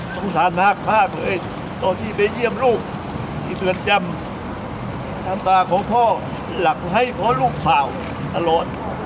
สงสารมากตอนนี้ไปเยี่ยมลูกตื่นจำตามตาของพ่อหลักให้เพราะลูกสาวตลอด